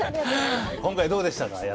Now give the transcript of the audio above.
今回どうでしたか？